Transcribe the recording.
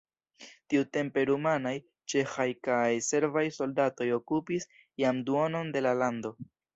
Tiutempe rumanaj, ĉeĥaj kaj serbaj soldatoj okupis jam duonon de la lando.